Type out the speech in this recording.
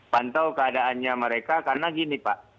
pantau keadaannya mereka karena gini pak